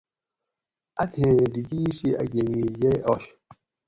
اتھیں ڈِکیر شی اۤ گنیر یئ آش